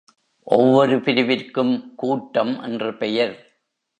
ஒவ்வொரு பிரிவிற்கும் கூட்டம் என்று பெயர்.